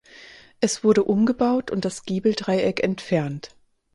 Es wurde umgebaut und das Giebeldreieck entfernt.